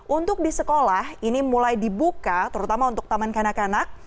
untuk di sekolah ini mulai dibuka terutama untuk taman kanak kanak